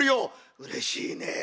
「うれしいねえ。